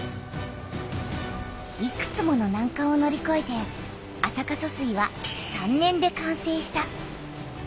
いくつものなんかんをのりこえて安積疏水は３年で完成した。